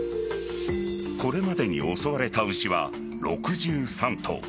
これまでに襲われた牛は６３頭。